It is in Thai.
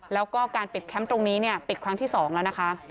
แล้วก็การปิดแคมป์ตรงนี้ปิดครั้งที่๒แล้วนะคะ